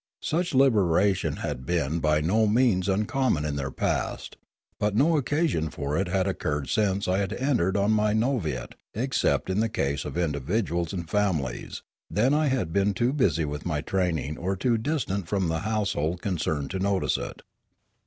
Such liberation had been by no means uncommon in their past, but no occasion for it had occurred since I had entered on my novitiate, except in the case of individuals and families; then I had been too busy with my training or too distant from the household concerned to notice it.